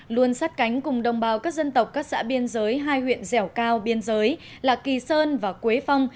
luôn sát cánh cùng đồng bào các dân tộc các xã biên giới hai huyện dẻo cao biên giới là kỳ sơn và quế phong